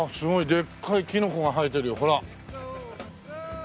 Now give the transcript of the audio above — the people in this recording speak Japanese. でっかいキノコが生えてるよほら。